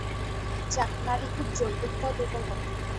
যাক! নাড়ী খুব জোর, বুকটাও দুর্বল বটে।